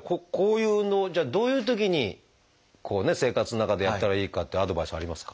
こういう運動をどういうときに生活の中でやったらいいかっていうアドバイスはありますか？